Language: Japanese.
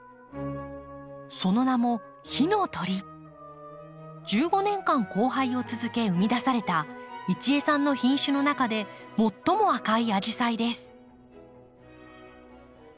その名も１５年間交配を続け生み出された一江さんの品種の中で最も赤いアジサイです。